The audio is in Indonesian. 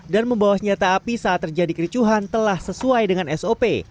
dan membawa senjata api saat terjadi kericuhan telah sesuai dengan sop